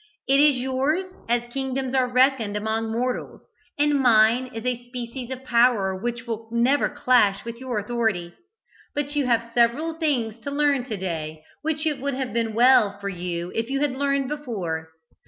It is yours as kingdoms are reckoned among mortals, and mine is a species of power which will never clash with your authority. But you have several things to learn to day which it would have been well for you if you had learned before.